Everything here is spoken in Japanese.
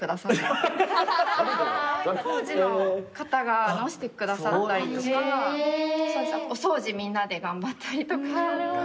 当時の方が直してくださったりとかお掃除みんなで頑張ったりとか。